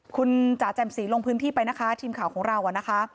คุณจ๋าแจ่มสีลงพื้นที่ไปนะคะทีมข่าวของเรานะคะ